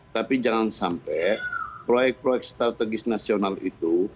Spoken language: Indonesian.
tapi jangan sampai proyek proyek strategis nasional itu